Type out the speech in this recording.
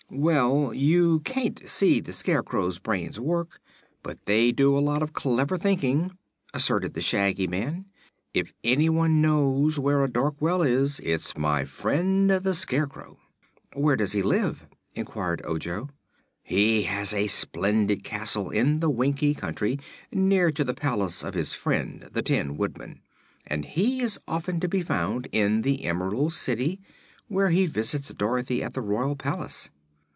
"Well, you can't see the Scarecrow's brains work, but they do a lot of clever thinking," asserted the Shaggy Man. "If anyone knows where a dark well is, it's my friend the Scarecrow." "Where does he live?" inquired Ojo. "He has a splendid castle in the Winkie Country, near to the palace of his friend the Tin Woodman, and he is often to be found in the Emerald City, where he visits Dorothy at the royal palace."